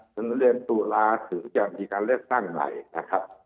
จนเริ่มสู่ระถือจะมีการเล็กตั้งไหนนะครับ